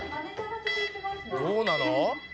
「どうなの？」